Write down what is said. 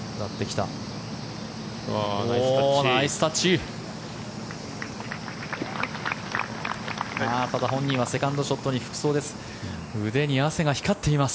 ただ、本人はセカンドショットに不服そうです。